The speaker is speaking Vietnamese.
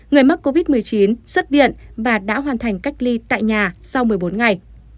người mắc covid một mươi chín xuất viện và đã hoàn thành cách ly tại nhà sau một mươi bốn ngày